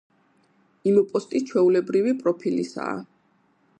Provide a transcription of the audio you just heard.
იმპოსტი ჩვეულებრივი პროფილისაა.